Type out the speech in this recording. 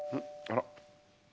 あら？